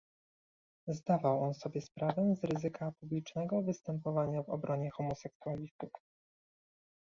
Zdawał on sobie sprawę z ryzyka publicznego występowania w obronie homoseksualistów